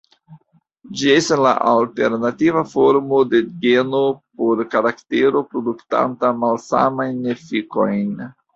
Ĝi estas la alternativa formo de geno por karaktero produktanta malsamajn efikojn.